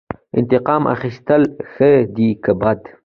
انتقام اخیستل ښه دي که بد؟